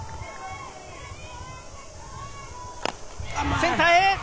センターへ。